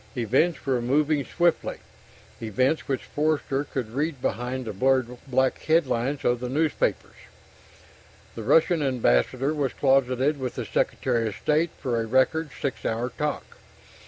Events were moving swiftly events which Forster could read behind the blurred black headlines of the newspapers. The Russian ambassador was closeted with the Secretary of State for a record six hour talk.